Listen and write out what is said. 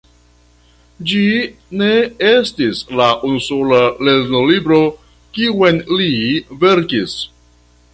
Ĝi ne estis la unusola lernolibro kiun li verkis.